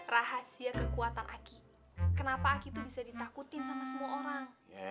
rahasia kekuatan aki kenapa aki itu bisa ditakutin sama semua orang